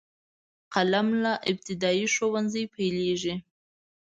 قلم له ابتدايي ښوونځي پیلیږي.